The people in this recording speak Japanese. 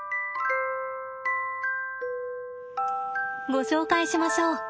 ご紹介しましょう。